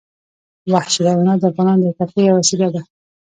وحشي حیوانات د افغانانو د تفریح یوه وسیله ده.